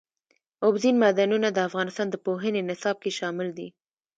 اوبزین معدنونه د افغانستان د پوهنې نصاب کې شامل دي.